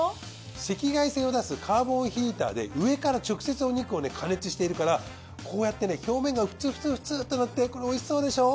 赤外線を出すカーボンヒーターで上から直接お肉を加熱しているからこうやって表面がフツフツフツとなってこれ美味しそうでしょう？